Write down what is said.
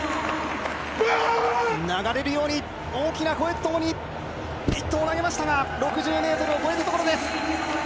流れるように大きな声とともに一投を投げましたが６０ｍを越えたところです。